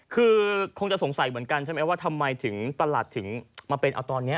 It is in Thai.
คือคงจะสงสัยเหมือนกันใช่ไหมว่าทำไมถึงประหลัดถึงมาเป็นเอาตอนนี้